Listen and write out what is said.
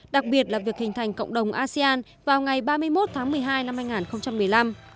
đặc biệt là việc hình thành cộng đồng asean vào ngày ba mươi một tháng một mươi hai năm hai nghìn một mươi năm